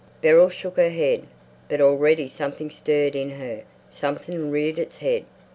Beryl shook her head. But already something stirred in her, something reared its head.